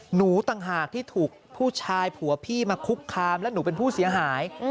ต่างหากที่ถูกผู้ชายผัวพี่มาคุกคามและหนูเป็นผู้เสียหาย